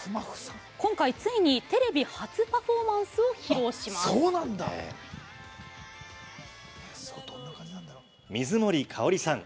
今回、ついにテレビ初パフォーマンスを披露します水森かおりさん。